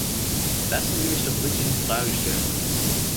Lassen Sie mich doch bitte die Frage stellen.